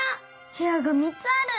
へやが３つある。